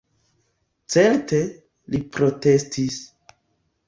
Certe, li protestis.